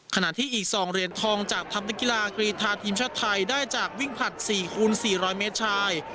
ขณะที่อีก๒เหรียญทองจากทัพนักกีฬากรีธาทีมชาติไทยได้จากวิ่งผลัด๔คูณ๔๐๐เมตรชาย